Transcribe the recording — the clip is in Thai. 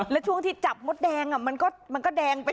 แล้วช่วงที่จับมดแดงมันก็แดงไป